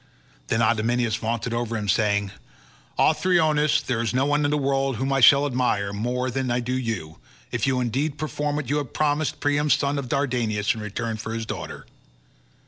Then Idomeneus vaunted over him saying, "Othryoneus, there is no one in the world whom I shall admire more than I do you, if you indeed perform what you have promised Priam son of Dardanus in return for his daughter.